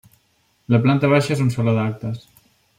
La planta baixa és un Saló d'Actes.